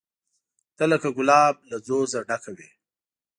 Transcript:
ته لکه ګلاب له ځوزه ډکه وې